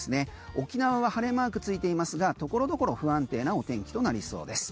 沖縄は晴れマークついていますが所々、不安定なお天気となりそうです。